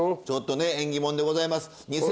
ちょっとね縁起もんでございます。